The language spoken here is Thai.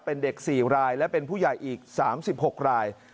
เป็นเด็ก๔รายและเป็นผู้ใหญ่อีก๓๖ราย